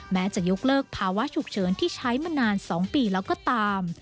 แม้จะยกเลิกภาวะฉุกเฉินที่ใช้มานาน๒ปีแล้วก็ตาม